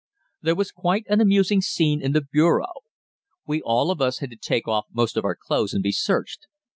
There was quite an amusing scene in the bureau. We all of us had to take off most of our clothes and be searched.